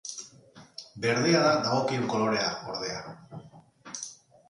Berdea da dagokion kolorea, ordea.